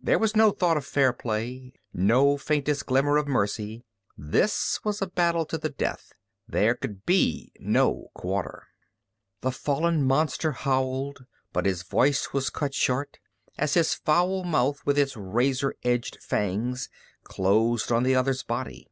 There was no thought of fair play, no faintest glimmer of mercy. This was a battle to the death: there could be no quarter. The fallen monster howled, but his voice cut short as his foul mouth, with its razor edged fangs, closed on the other's body.